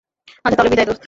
আচ্ছা, তাহলে বিদায় দোস্ত।